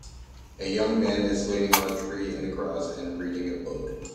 A young man is leaning on a tree in the grass and reading a book